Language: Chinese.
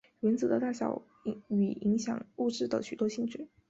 原子的大小与影响物质的许多性质。